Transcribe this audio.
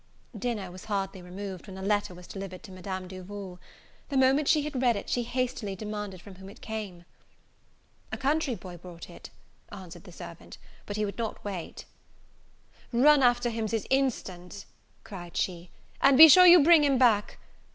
Dinner was hardly removed, when a letter was delivered to Madam Duval. The moment she had read it, she hastily demanded from whom it came. "A country boy brought it," answered the servant," but he would not wait." "Run after him this instant!" cried she, "and be sure you bring him back.